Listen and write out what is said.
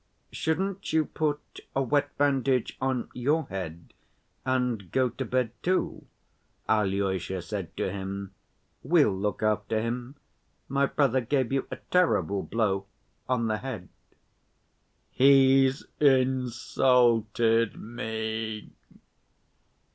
"Shouldn't you put a wet bandage on your head and go to bed, too?" Alyosha said to him. "We'll look after him. My brother gave you a terrible blow—on the head." "He's insulted me!"